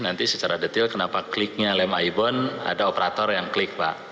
nanti secara detail kenapa kliknya lem aibon ada operator yang klik pak